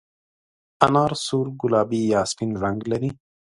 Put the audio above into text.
انار سور، ګلابي یا سپین رنګ لري.